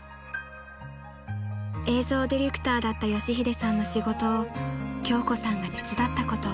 ［映像ディレクターだった佳秀さんの仕事を京子さんが手伝ったこと］